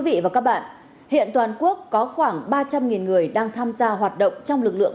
quý vị và các bạn hiện toàn quốc có khoảng ba trăm linh người đang tham gia hoạt động trong lực lượng